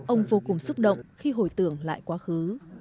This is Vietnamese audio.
ông vô cùng xúc động khi hồi tưởng lại quá khứ